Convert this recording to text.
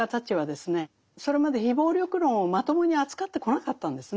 それまで非暴力論をまともに扱ってこなかったんですね。